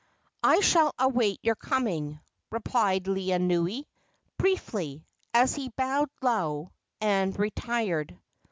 "I shall await your coming," replied Laeanui, briefly, as he bowed low and retired.